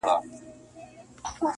او اميدواره کيږي ژر-